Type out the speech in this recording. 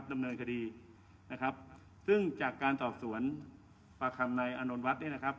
ดำเนินคดีซึ่งจากการสอบสวนประคำในอานนท์วัสด์